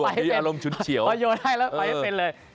อารมณ์ชุดเฉียวเอาโยนให้แล้วไปได้เป็นเลย